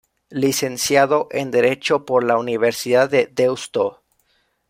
Licenciado en Derecho por la Universidad de Deusto.